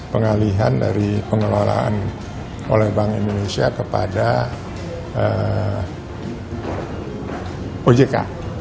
pengalihan dari pengelolaan oleh bank indonesia kepada ojk